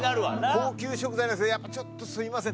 高級食材やっぱちょっとすいません。